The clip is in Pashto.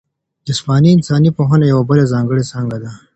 جسماني انسان پوهنه یوه بله ځانګړې څانګه ده.